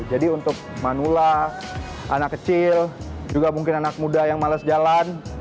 jadi untuk manula anak kecil juga mungkin anak muda yang males jalan